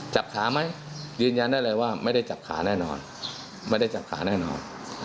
จับขาไหมยืนยันได้เลยว่าไม่ได้จับขาแน่นอนไม่ได้จับขาแน่นอน